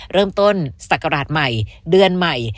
เริ่มต้นสักกระดาษใหม่เดือนใหม่